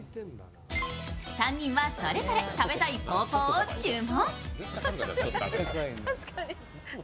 ３人はそれぞれ食べたいぽーぽーを注文。